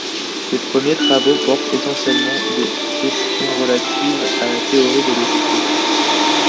Ses premiers travaux portent essentiellement des questions relatives à la théorie de l'esprit.